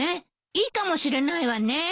いいかもしれないわね。